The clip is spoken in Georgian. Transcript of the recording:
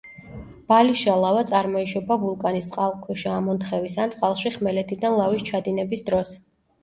ბალიშა ლავა წარმოიშობა ვულკანის წყალქვეშა ამონთხევის ან წყალში ხმელეთიდან ლავის ჩადინების დროს.